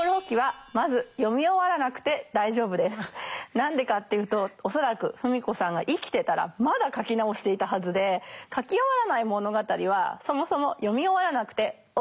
何でかっていうと恐らく芙美子さんが生きてたらまだ書き直していたはずで書き終わらない物語はそもそも読み終わらなくてＯＫです。